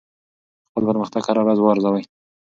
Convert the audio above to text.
خپل پرمختګ هره ورځ وارزوئ.